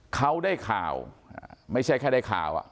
เขาได้ข่าวไม่ใช่แค่ได้ข่าว